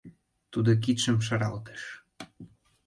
— тудо кидшым шаралтыш.